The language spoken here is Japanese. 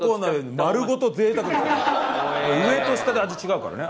上と下で味違うからね